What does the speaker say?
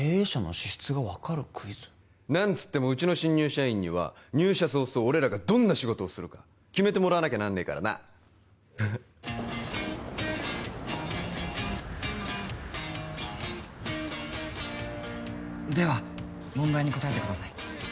資質がわかるクイズ何つってもうちの新入社員には入社早々俺らがどんな仕事をするか決めてもらわなきゃなんねえからなでは問題に答えてください